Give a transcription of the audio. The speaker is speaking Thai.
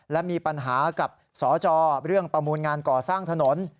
และมีปัญหากับสจเรื่องประมูลงานก่อสร้างถนน